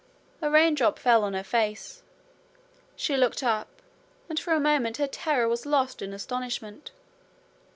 A raindrop fell on her face. She looked up, and for a moment her terror was lost in astonishment.